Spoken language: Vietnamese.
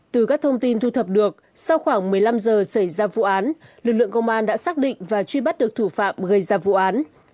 từ các thông tin thu thập được sau khoảng một mươi năm giờ xảy ra vụ án lực lượng công an đã xác định và truy bắt được thủ phạm gây ra vụ án